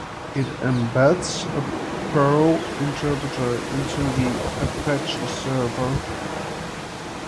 It embeds a Perl interpreter into the Apache server.